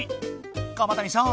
鎌谷さん